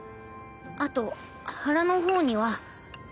あと腹の方には。